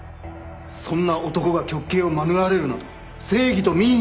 そんな男が極刑を免れるなど正義と民意に反します。